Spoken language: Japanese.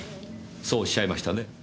そうおっしゃいましたね？